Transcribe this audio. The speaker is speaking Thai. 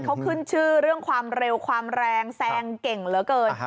เขาขึ้นชื่อเรื่องความเร็วความแรงแซงเก่งเหลือเกิน